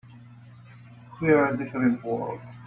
We're a different world.